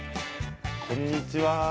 こんにちは。